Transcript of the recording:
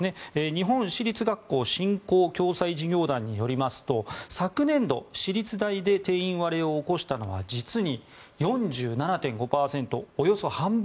日本私立学校振興・共済事業団によりますと昨年度、私立大で定員割れを起こしたのは実に４７．５％、およそ半分。